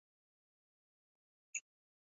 两人在那年参与了一场由英军发起的战斗。